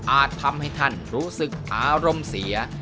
ทำให้ท่านรู้สึกอารมณ์เสีย